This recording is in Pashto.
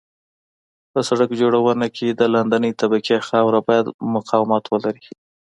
په سرک جوړونه کې د لاندنۍ طبقې خاوره باید مقاومت ولري